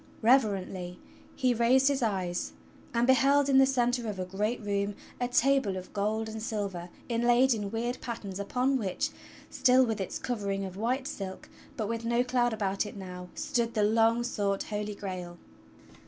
Reverently he raised his eyes and beheld in the centre of a great room a table of gold and silver inlaid in weird patterns upon which, still with its covering of white silk, but with no cloud about it now, stood the long sought Holy Grail!